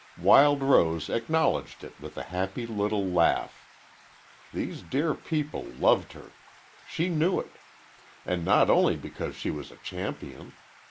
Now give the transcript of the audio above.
Wild Rose acknowledged it with a happy little laugh. These dear people loved her. She knew it. And not only because she was a champion.